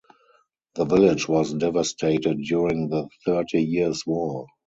The village was devastated during the Thirty Years' War.